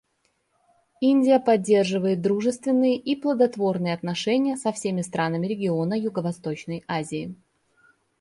Индия поддерживает дружественные и плодотворные отношения со всеми странами региона Юго-Восточной Азии.